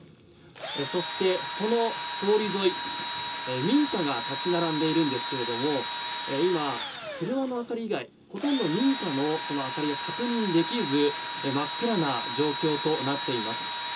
そして、この通り沿い民家が立ち並んでいるんですけど今、車の明かり以外ほとんど民家の明かりが確認できず真っ暗な状況となっています。